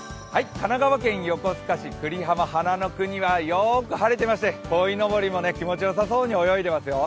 神奈川県横須賀市くりはま花の国はよく晴れていまして、こいのぼりも気持ちよさそうに泳いでいますよ。